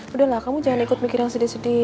udah lah kamu jangan ikut mikir yang sedih sedih